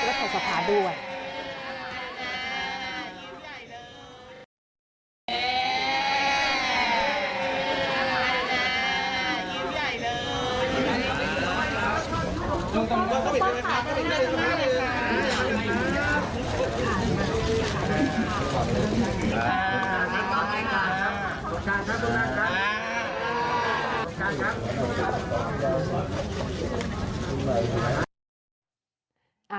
ต้องขาดตรงหน้าแหละค่ะ